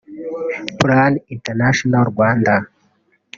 Plan International Rwanda